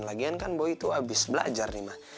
lagian kan boy tuh abis belajar nih ma